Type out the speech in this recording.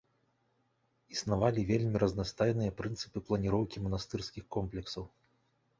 Існавалі вельмі разнастайныя прынцыпы планіроўкі манастырскіх комплексаў.